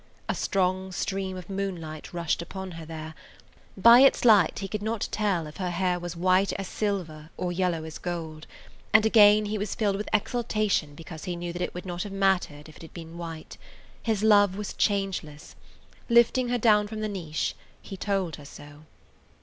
A strong stream of moonlight rushed upon her there; by its light he could not tell if her hair was white as silver or yellow as gold, and again he was filled with exaltation because he knew that it would not [Page 79] have mattered if it had been white. His love was changeless. Lifting her down from the niche, he told her so.